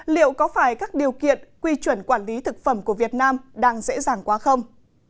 liệu có phải các điều kiện quy chuẩn quản lý thực phẩm của việt nam đang dễ dàng quá không